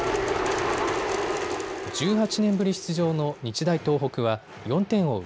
１８年ぶり出場の日大東北は４点を追う